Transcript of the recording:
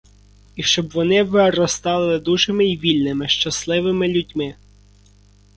І щоб вони виростали дужими й вільними, щасливими людьми.